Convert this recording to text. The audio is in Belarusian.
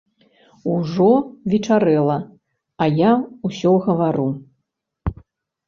Ужо вечарэла, а я ўсё гавару!